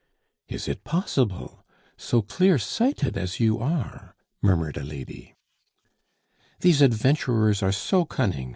"Is it possible? So clear sighted as you are!..." murmured a lady. "These adventurers are so cunning.